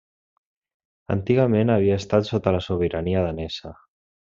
Antigament havia estat sota sobirania danesa.